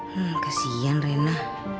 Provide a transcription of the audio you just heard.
hmm kasihan rena